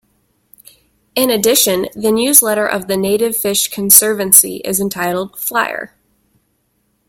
In addition, the newsletter of the Native Fish Conservancy is entitled Flier.